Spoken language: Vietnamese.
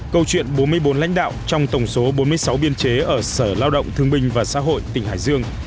câu chuyện bốn mươi bốn lãnh đạo trong tổng số bốn mươi sáu biên chế ở sở lao động thương binh và xã hội tỉnh hải dương